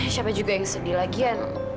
siapa juga yang sedih lagi an